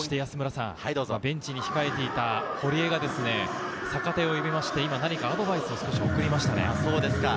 ベンチに控えていた堀江が、坂手を入れて何かアドバイスを送りました。